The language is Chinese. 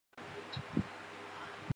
为琉球乡最短乡道。